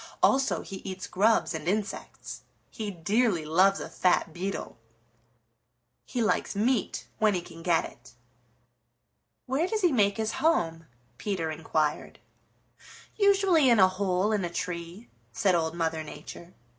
"Also he eats grubs and insects. He dearly loves a fat beetle. He likes meat when he can get it." "Where does he make his home?" Peter inquired. "Usually in a hole in a tree," said Old Mother Nature.